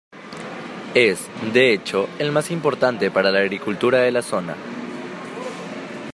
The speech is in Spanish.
Es, de hecho, el más importante para la agricultura de la zona.